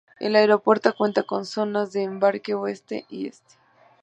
El aeropuerto cuenta con zonas de embarque Oeste y Este.